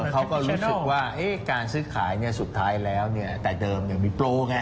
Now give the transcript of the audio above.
เขาก็รู้สึกว่าการซื้อขายสุดท้ายแล้วแต่เดิมมีโปรไง